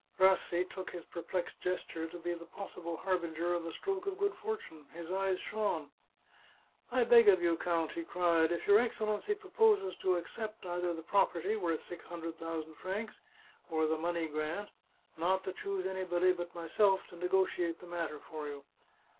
Rassi took his perplexed gesture to be the possible har binger of a stroke of good fortune ; his eyes shone. " I beg of you, count," he cried, " if your Excellency proposes to accept either the property worth six hundred thousand francs, or the money grant, not to choose anybody but myself to negotiate the matter for you.